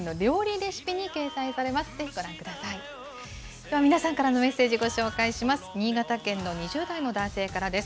では、皆さんからのメッセージご紹介します。